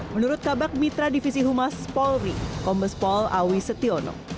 menurut kabak mitra divisi humas paul ri kombes paul awi setiono